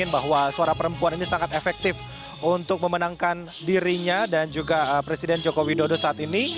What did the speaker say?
bahwa suara perempuan ini sangat efektif untuk memenangkan dirinya dan juga presiden joko widodo saat ini